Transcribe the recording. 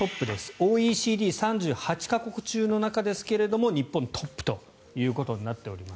ＯＥＣＤ３８か国中の中ですが日本はトップということになっております。